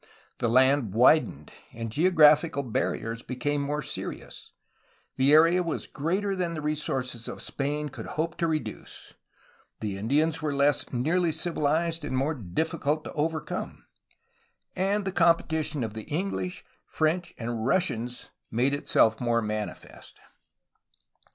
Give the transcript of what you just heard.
The land widened, and geographical barriers became more serious, the area was greater than the resources of Spain could hope to reduce, the Indians were less nearly civilized and more difficult to 143 144 A HISTORY OF CALIFORNIA overcome, and the competition of the English, French, and Russians made itself more manifest.